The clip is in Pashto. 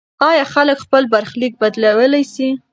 آیا خلک خپل برخلیک بدلولی سي؟